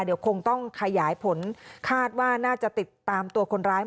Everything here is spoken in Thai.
เดี๋ยวคงต้องขยายผลคาดว่าน่าจะติดตามตัวคนร้าย